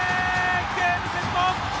ゲームセット！